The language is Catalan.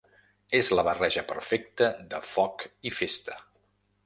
És la barreja perfecta de foc i festa.